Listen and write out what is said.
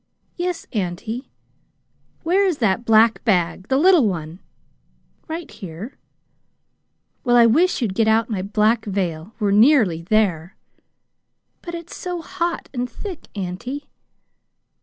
"Yes, auntie." "Where is that black bag the little one?" "Right here." "Well, I wish you'd get out my black veil. We're nearly there." "But it's so hot and thick, auntie!"